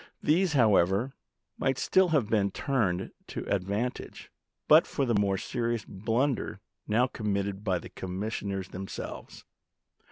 These, however, might still have been turned to ad vantage, but for the more serious blunder now committed by the commissioners themselves.